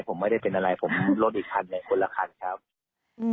ผมไม่ได้เป็นอะไรผมรถอีกคันเนี้ยคนละคันครับอืม